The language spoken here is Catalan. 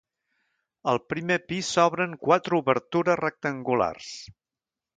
Al primer pis s'obren quatre obertures rectangulars.